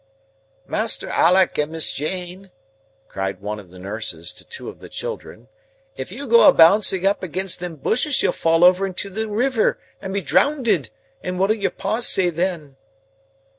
"Master Alick and Miss Jane," cried one of the nurses to two of the children, "if you go a bouncing up against them bushes you'll fall over into the river and be drownded, and what'll your pa say then?"